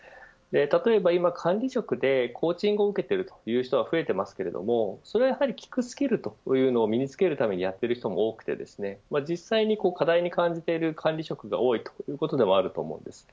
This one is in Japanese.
例えば今、管理職でコーチングを受けている人が増えてますけれどそれはやはり、聞くスキルを身に付けるためにやっている人も多くて実際に課題に感じている管理職が多いということでもあると思うんです。